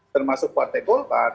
termasuk partai golkar